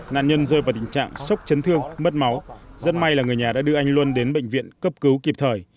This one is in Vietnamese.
nạn nhân rơi vào tình trạng sốc chấn thương mất máu rất may là người nhà đã đưa anh luân đến bệnh viện cấp cứu kịp thời